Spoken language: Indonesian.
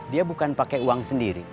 dia bukan pakai uang sendiri